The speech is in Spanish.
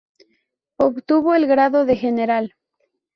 Obtuvo el grado, de general.